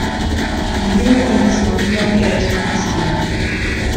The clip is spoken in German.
Die jüngere hieß Maria, die ältere Cristina.